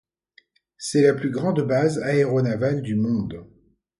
C'est la plus grande base aéronavale du monde.